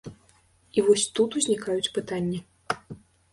І вось тут узнікаюць пытанні.